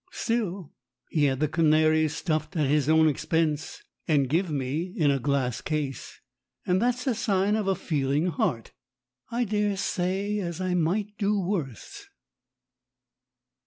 Still, he had the canary stuffed at his own expense, and give me in a glass case, and that's a sign of a feeling heart. I dare say as I might do worse.